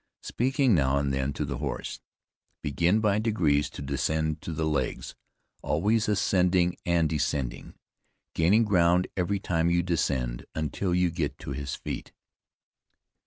speaking now and then to the horse. Begin by degrees to descend to the legs, always ascending and descending, gaining ground every time you descend until you get to his feet.